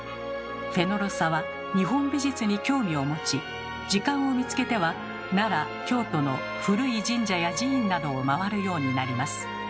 フェノロサは日本美術に興味を持ち時間を見つけては奈良・京都の古い神社や寺院などを回るようになります。